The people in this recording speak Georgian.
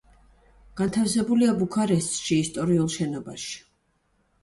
განთავსებულია ბუქარესტში, ისტორიულ შენობაში.